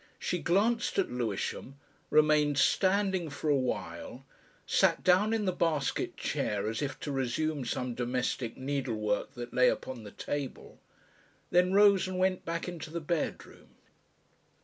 She glanced at Lewisham, remained standing for awhile, sat down in the basket chair as if to resume some domestic needlework that lay upon the table, then rose and went back into the bedroom.